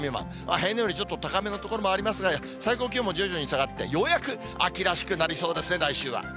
平年よりちょっと高めの所もありますが、最高気温も徐々に下がって、ようやく秋らしくなりそうですね、来週は。